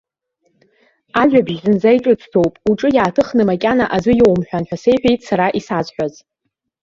Ажәабжь зынӡа иҿыцӡоуп, уҿы иааҭыхны макьана аӡәы иоумҳәан ҳәа сеиҳәеит сара исазҳәаз.